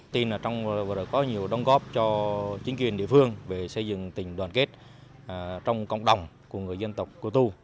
tin là trong vừa đó có nhiều đồng góp cho chính quyền địa phương về xây dựng tình đoàn kết trong cộng đồng của người dân tộc cơ tu